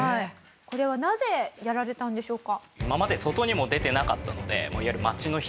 これはなぜやられたんでしょうか？